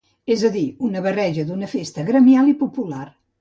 És a dir, una barreja d'una festa gremial i popular.